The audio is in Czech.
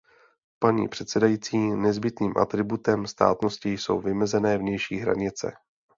Paní předsedající, nezbytným atributem státnosti jsou vymezené vnější hranice.